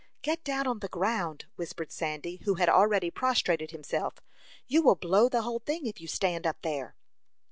"Get down on the ground!" whispered Sandy, who had already prostrated himself. "You will blow the whole thing if you stand up there."